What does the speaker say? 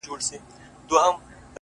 • د طاقت له تنستې یې زړه اودلی,